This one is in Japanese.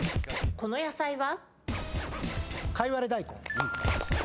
この野菜は？